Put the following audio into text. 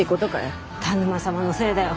田沼様のせいだよ！